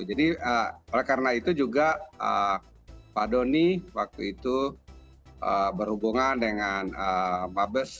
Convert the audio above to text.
jadi oleh karena itu juga pak doni waktu itu berhubungan dengan mabes